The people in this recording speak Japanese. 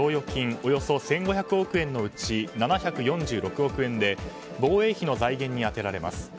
およそ１５００億円のうち７４６億円で防衛費の財源に充てられます。